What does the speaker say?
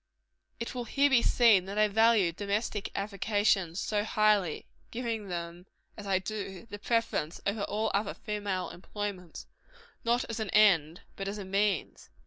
It will here be seen that I value domestic avocations so highly giving them, as I do, the preference over all other female employments not as an end, but as a means.